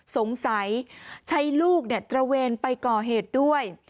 สงสัยใช้ลูกตระเวนไปก่อเหตุด้วย